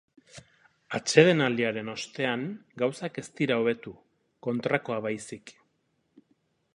Atsedenaldiaren ostean gauzak ez dira hobetu, kontrakoa baizik.